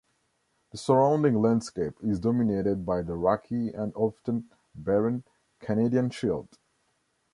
The surrounding landscape is dominated by the rocky and often barren Canadian Shield.